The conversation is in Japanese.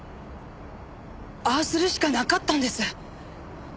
ああするしかなかったんです。